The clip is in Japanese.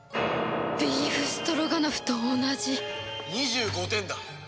ビーフストロガノフと同じ２５点だ。